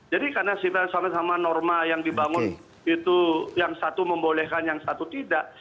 jadi karena sifatnya sama sama norma yang dibangun itu yang satu membolehkan yang satu tidak